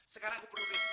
sekarang aku butuh duit